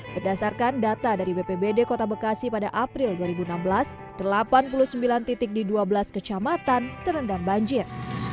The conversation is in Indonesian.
berdasarkan data dari bpbd kota bekasi pada april dua ribu enam belas delapan puluh sembilan titik di dua belas kecamatan terendam banjir